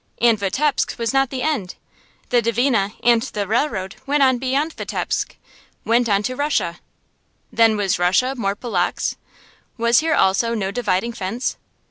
And Vitebsk was not the end. The Dvina, and the railroad, went on beyond Vitebsk, went on to Russia. Then was Russia more Polotzk? Was here also no dividing fence?